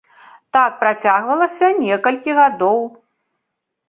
Так працягвалася некалькі гадоў.